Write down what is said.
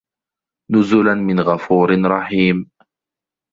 نُزُلًا مِن غَفورٍ رَحيمٍ